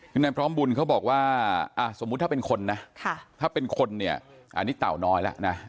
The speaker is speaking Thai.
คือนายพร้อมบุญเขาบอกว่าสมมุติถ้าเป็นคนนะถ้าเป็นคนเนี่ยอันนี้เต่าน้อยแล้วนะ